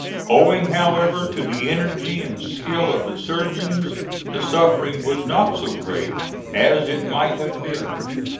Owing, however, to the energy and skill of the surgeons the suffering was not so great as it might have been.